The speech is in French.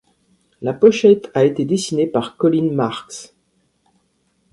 La pochette a été dessinée par Colin Marks.